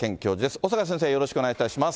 小坂先生、よろしくお願いいたします。